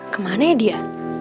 kemana ya dia